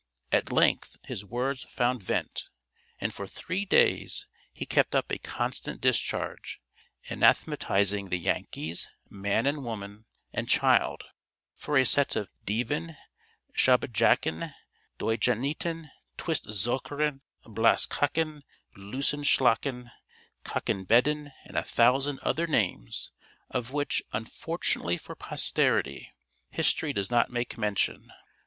At length his words found vent, and for three days he kept up a constant discharge, anathematising the Yankees, man, woman, and child, for a set of dieven, schobbejacken, deugenieten, twist zoekeren, blaes kaken, loosen schalken, kakken bedden, and a thousand other names, of which, unfortunately for posterity, history does not make mention.